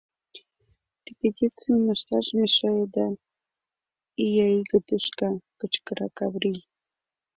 Репетицийым ышташ мешаеда, ия иге тӱшка! — кычкыра Каврий.